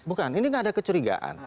bukan ini nggak ada kecurigaan